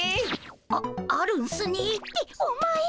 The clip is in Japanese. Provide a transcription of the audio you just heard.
ああるんすねってお前。